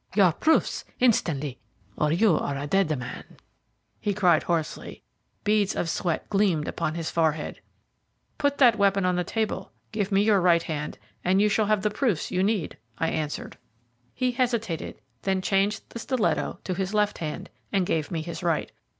"Your proofs instantly, or you are a dead man," he cried hoarsely. Beads of sweat gleamed upon his forehead. "Put that weapon on the table, give me your right hand, and you shall have the proofs you need," I answered. He hesitated, then changed the stiletto to his left hand, and gave me his right.